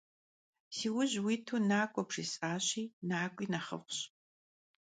Si vujım vuitu nak'ue bjjês'aşi, nak'ui nexhıf'ş.